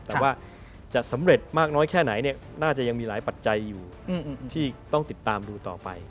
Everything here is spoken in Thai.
แต่ว่าจะสำเร็จมากน้อยแค่ไหนน่าจะยังมีหลายปัจจัยอยู่ที่ต้องติดตามดูต่อไป